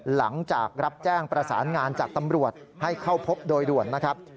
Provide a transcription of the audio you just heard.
หลังจากรับแจ้งประสานงานจากตำรวจให้เข้าพบโดยด่วนนะครับ